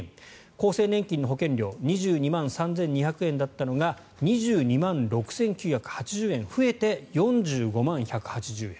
厚生年金の保険料２２万３２００円だったのが２２万６９８０円増えて４５万１８０円。